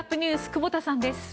久保田さんです。